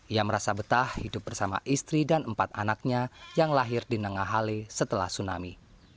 ia merasa betah hidup bersama istri dan empat anaknya yang lahir di nengah hali setelah tsunami